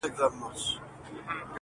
په کوم مخ به د خالق مخ ته درېږم؟-